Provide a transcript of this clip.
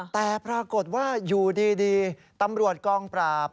แต่ปรากฏว่าอยู่ดีตำรวจกองปราบ